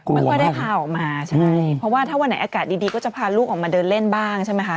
ไม่ค่อยได้พาออกมาใช่เพราะว่าถ้าวันไหนอากาศดีก็จะพาลูกออกมาเดินเล่นบ้างใช่ไหมคะ